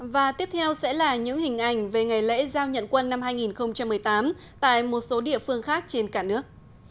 và tiếp theo sẽ là những hình ảnh về ngày lễ giao nhận quân năm hai nghìn một mươi tám tại một số địa phương khác trên cả nước